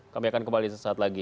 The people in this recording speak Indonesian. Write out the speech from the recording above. kami akan kembali sesaat lagi